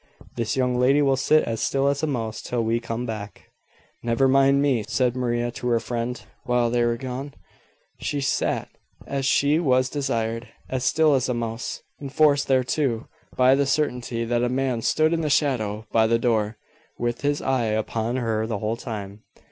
This young lady will sit as still as a mouse till we come back." "Never mind me," said Maria, to her friend. While they were gone, she sat as she was desired, as still as a mouse, enforced thereto by the certainty that a man stood in the shadow by the door, with his eye upon her the whole time.